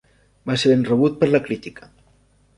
Va ser ben rebut per la crítica.